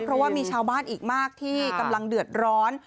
เพราะว่ามีชาวบ้านอีกมากที่กำลังเดือดร้อน